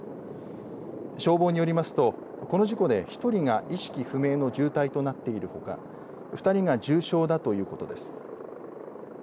消防によりますとこの事故で１人が意識不明の重体となっているほか２人が重傷だということです。